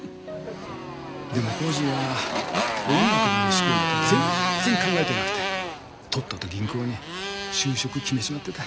でもコージーは音楽で飯食うなんて全然考えてなくてとっとと銀行に就職決めちまってた。